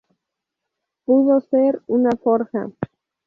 Pudo ser una forja.